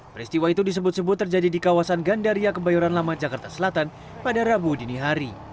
peristiwa itu disebut sebut terjadi di kawasan gandaria kebayoran lama jakarta selatan pada rabu dini hari